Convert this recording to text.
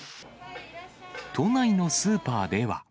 都内のスーパーでは。